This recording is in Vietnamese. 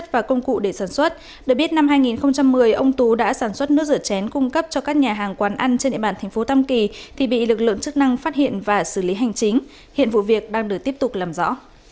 các nhà hàng quán ăn trên địa bàn tp tâm kỳ bị lực lượng chức năng phát hiện và xử lý hành chính hiện vụ việc đang được tiếp tục làm rõ